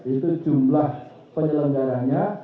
itu jumlah penyelenggaranya